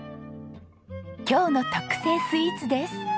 今日の特製スイーツです。